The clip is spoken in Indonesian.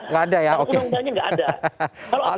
kalau apbn ya makin jebol